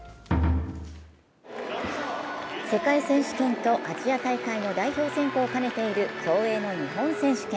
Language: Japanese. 世界選手権とアジア大会の代表選考を兼ねている競泳の日本選手権。